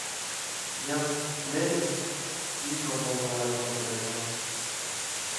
Bien, Ned, dis-je en tendant la main au Canadien.